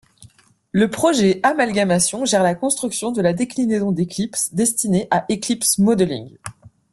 Le projet Amalgamation gère la construction de la déclinaison d'Eclipse destiné à Eclipse Modeling.